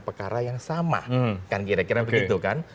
perkara yang sama kan kira kira begitu kan